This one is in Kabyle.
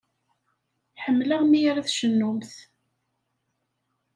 Ḥemmleɣ mi ara tcennumt.